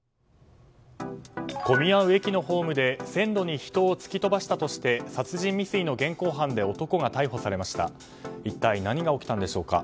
混み合う駅のホームで線路に人を突き飛ばしたとして殺人未遂の現行犯で男が逮捕されました。